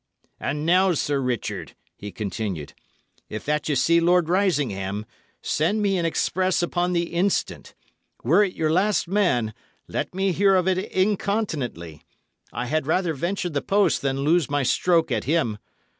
"And now, Sir Richard," he continued, "if that ye see Lord Risingham, send me an express upon the instant. Were it your last man, let me hear of it incontinently. I had rather venture the post than lose my stroke at him.